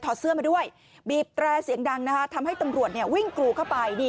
เสื้อมาด้วยบีบแตรเสียงดังนะคะทำให้ตำรวจวิ่งกรูเข้าไป